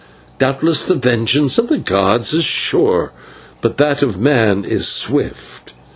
Doubtless the vengeance of the gods is sure, but that of men is swift."